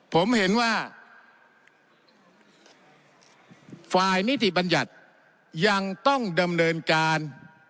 ผมเห็นว่าฝ่ายนิติบัญญัติยังต้องดำเนินการ